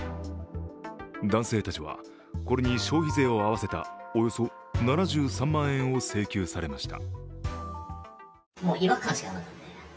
男性たちは、これに消費税を合わせたおよそ７３万円を請求されました。